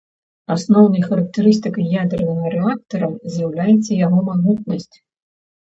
Асноўнай характарыстыкай ядзернага рэактара з'яўляецца яго магутнасць.